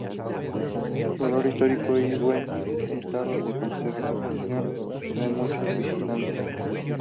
Su valor histórico y buen estado de conservación atraen muchos visitantes.